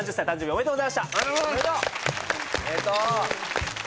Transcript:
・おめでとう！